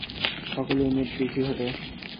সকল ইউনিট, পিছু হটো!